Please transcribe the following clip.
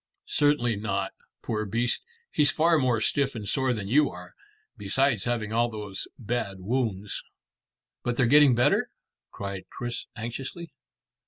"Certainly not. Poor beast, he's far more stiff and sore than you are, besides having all those bad wounds." "But they're getting better?" cried Chris anxiously.